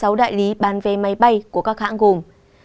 sáu đại lý bán vé máy bay của các hãng gồm